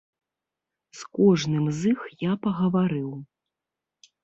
З кожным з іх я пагаварыў.